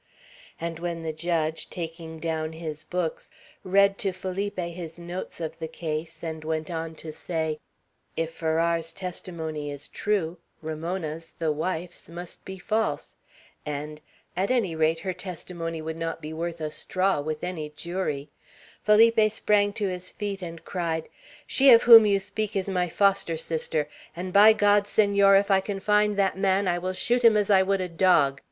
And when the judge, taking down his books, read to Felipe his notes of the case, and went on to say, "If Farrar's testimony is true, Ramona's, the wife's, must be false," and "at any rate, her testimony would not be worth a straw with any jury," Felipe sprang to his feet, and cried, "She of whom you speak is my foster sister; and, by God, Senor, if I can find that man, I will shoot him as I would a dog!